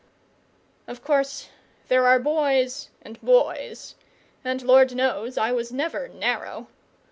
Of course there are boys and boys, and Lord knows I was never narrow.